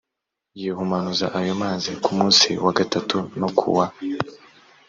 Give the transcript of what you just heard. yihumanuze ayo mazi ku munsi wa gatatu no ku